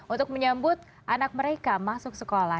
untuk menyambut anak mereka masuk sekolah